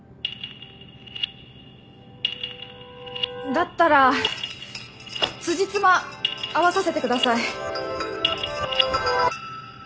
だったらつじつま合わさせてください。